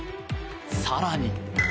更に。